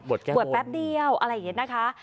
บวชแป๊บเดียวอะไรอย่างนี้นะคะ